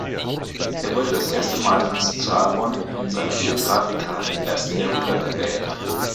Er wurde das erste Mal von Strabon in seiner "Geographika" im ersten Jahrhundert erwähnt.